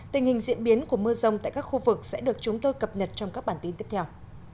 tình hình diễn biến của mưa rông tại các khu vực sẽ được chúng tôi cập nhật trong các bản tin tiếp theo